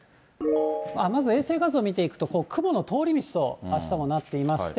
まず衛星画像を見ていくと、この雲の通り道と、あしたもなっていまして。